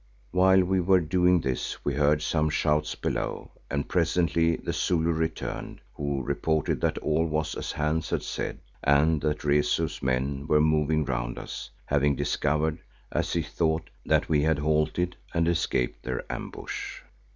While we were doing this we heard some shouts below and presently the Zulu returned, who reported that all was as Hans had said and that Rezu's men were moving round us, having discovered, as he thought, that we had halted and escaped their ambush.